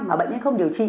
mà bệnh nhân không điều trị